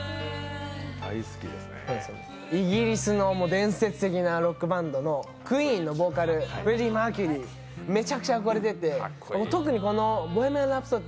イギリスの伝説的なロックバンドのＱＵＥＥＮのボーカルフレディ・マーキュリー、めちゃくちゃ憧れていて特にこの「ボヘミアン・ラプソディ」